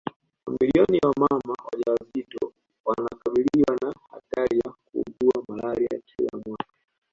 Mamilioni ya mama wajawazito wanakabiliwa na hatari ya kuugua malaria kila mwaka